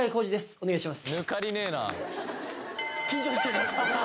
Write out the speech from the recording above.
お願いします